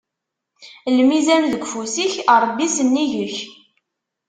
Lmizan deg ufus-ik, Ṛebbi sennig-k.